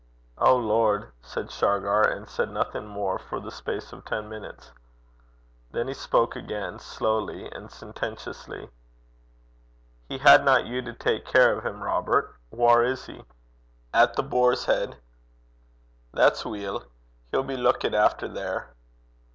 'O lord!' said Shargar, and said nothing more for the space of ten minutes. Then he spoke again slowly and sententiously. 'He hadna you to tak care o' him, Robert. Whaur is he?' 'At The Boar's Heid.' 'That's weel. He'll be luikit efter there.'